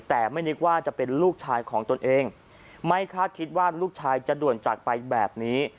แต่ไม่นึกว่าจะเป็นลูกชายของตนเองไม่คาดคิดว่าลูกชายจะด่วนจากไปแบบนี้